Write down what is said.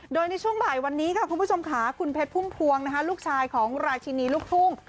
โดยในช่วงบ่ายวันนี้ค่ะคุณผู้ชมค่ะคุณเพชรพุ่มพวงลูกชายของราชินีลูกทุ่ง